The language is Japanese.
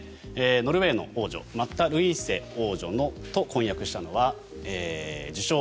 ノルウェーの王女マッタ・ルイーセ王女と婚約したのは自称